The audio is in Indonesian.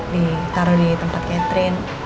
ditaruh di tempat catherine